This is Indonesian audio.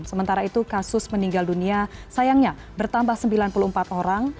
sementara itu kasus meninggal dunia sayangnya bertambah sembilan puluh empat orang